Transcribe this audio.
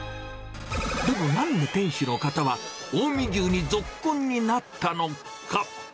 でもなんで店主の方は、近江牛にぞっこんになったのか。